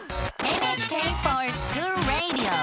「ＮＨＫｆｏｒＳｃｈｏｏｌＲａｄｉｏ」！